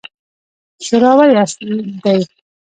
شورا ولې اصل دی؟